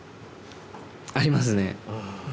ありますね。